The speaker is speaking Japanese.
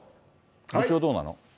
部長、どうなの？